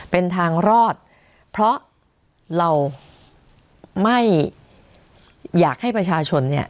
เป็นทางรอดเพราะเราไม่อยากให้ประชาชนเนี่ย